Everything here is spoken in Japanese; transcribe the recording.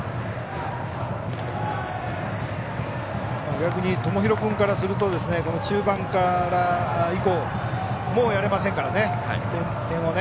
逆に友廣君からすると中盤以降はもうやれませんからね点をね。